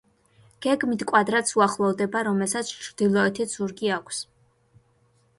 გეგმით კვადრატს უახლოვდება, რომელსაც ჩრდილოეთით ზურგი აქვს.